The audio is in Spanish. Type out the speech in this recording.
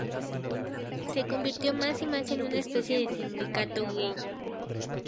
Se convirtió más y más en una especie de sindicato gay.